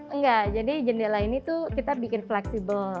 enggak jadi jendela ini tuh kita bikin fleksibel